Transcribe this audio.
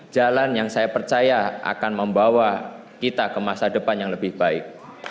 jalan yang saya percaya akan membawa kita ke masa depan yang lebih baik